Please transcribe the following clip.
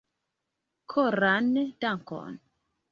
Koran dankon!